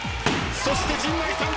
そして陣内さん